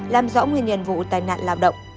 làm rõ nguyên nhân vụ tai nạn lao động